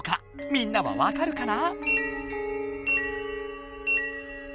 みんなはわかるかな？